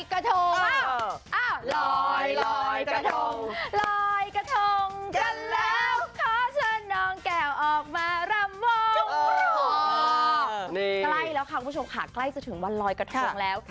รอยกระทงรอยกระทงรอยกระทงแล้ว